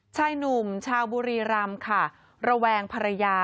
ชายหนุ่มชาวบุรีรำค่ะระแวงภรรยา